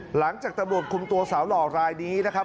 หลังจากตำรวจคุมตัวสาวหล่อรายนี้นะครับ